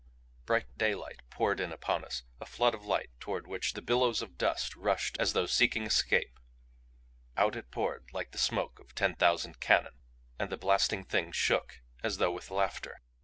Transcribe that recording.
Bright daylight poured in upon us, a flood of light toward which the billows of dust rushed as though seeking escape; out it poured like the smoke of ten thousand cannon. And the Blasting Thing shook as though with laughter!